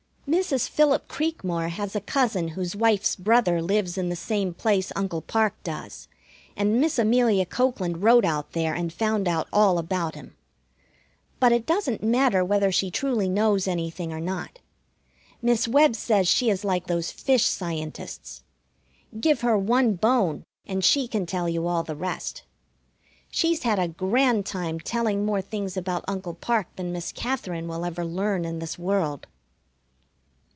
Mrs. Philip Creekmore has a cousin whose wife's brother lives in the same place Uncle Parke does, and Miss Amelia Cokeland wrote out there and found out all about him. But it doesn't matter whether she truly knows anything or not. Miss Webb says she is like those fish scientists. Give her one bone, and she can tell you all the rest. She's had a grand time telling more things about Uncle Parke than Miss Katherine will ever learn in this world.